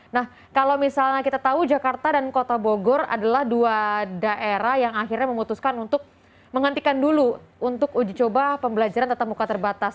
nah kalau misalnya kita tahu jakarta dan kota bogor adalah dua daerah yang akhirnya memutuskan untuk menghentikan dulu untuk uji coba pembelajaran tetap muka terbatas